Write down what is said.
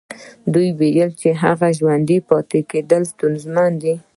دوی ويل چې د هغه ژوندي پاتې کېدل ستونزمن دي.